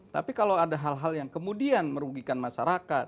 tapi kalau ada hal hal yang kemudian merugikan masyarakat